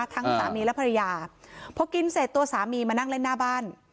ทั้งสามีและพยายามเพราะกินเสร็จตัวสามีมานั่งเล่นหน้าบ้าน